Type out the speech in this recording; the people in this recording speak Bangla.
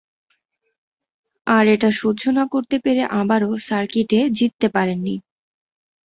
আর এটা সহ্য না করতে পেরে আবারও সার্কিটে জিততে পারেননি।